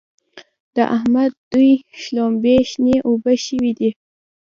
د احمد دوی شلومبې شنې اوبه شوې دي.